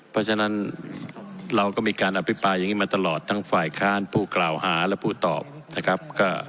เพราะฉะนั้นเราก็มีการอภิปรายมาตลอดทั้งฝ่ายค้านผู้กล่าวหาและผู้ตอบ